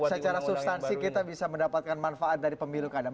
secara substansi kita bisa mendapatkan manfaat dari pemilu kadar